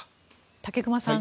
武隈さん。